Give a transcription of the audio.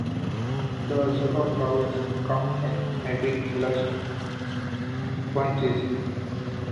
The ashoka flowers come in heavy, lush bunches.